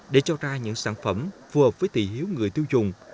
để cho ra những sản phẩm phù hợp với tỷ hiếu người tiêu dùng